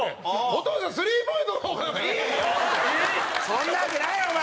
そんなわけないよ、お前。